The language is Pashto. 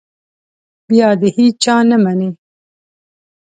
بیا د هېچا نه مني.